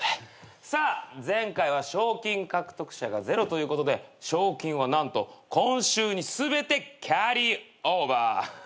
さあ前回は賞金獲得者がゼロということで賞金は何と今週に全てキャリーオーバー。